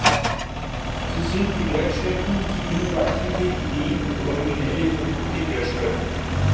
Sie sind die Werkstätten, die innovative Ideen und originelle Produkte herstellen.